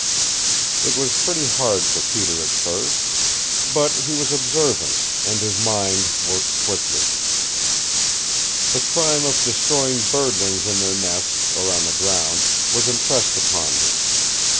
It was pretty hard for Peter at first, but he was observant, and his mind worked quickly. The crime of destroying birdlings in their nest, or on the ground, was impressed upon him.